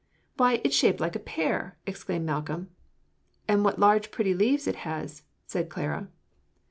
"Why, it's shaped like a pear!" exclaimed Malcolm. "And what large, pretty leaves it has!" said Clara.